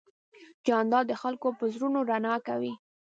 جانداد د خلکو په زړونو رڼا کوي.